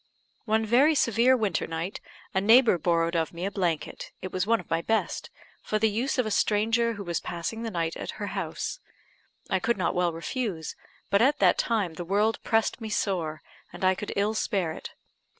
One very severe winter night, a neighbour borrowed of me a blanket it was one of my best for the use of a stranger who was passing the night at her house. I could not well refuse; but at that time, the world pressed me sore, and I could ill spare it.